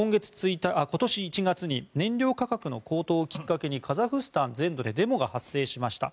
今年１月に燃料価格の高騰をきっかけにカザフスタン全土でデモが発生しました。